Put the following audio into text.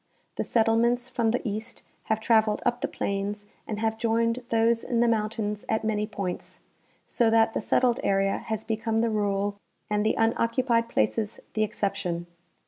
The settlements from the east have traveled up the plains and have joined those in the mountains at many points, so that the settled area has become the rule and the unoccupied places the excep tion.